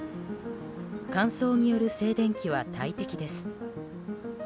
乾燥による静電気は大敵です。